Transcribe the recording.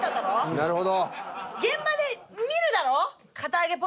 なるほど。